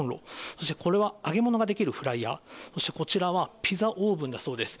そして、これは揚げ物ができるフライヤー、そしてこちらはピザオーブンだそうです。